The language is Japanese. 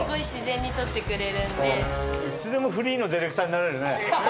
いつでもフリーのディレクターになれるね。